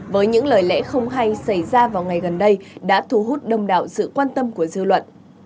với những lời lẽ không hay xảy ra vào ngày gần đây đã thu hút đông đạo sự quan tâm của dư luận